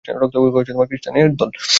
রক্তখেকো খ্রিষ্টানের দল!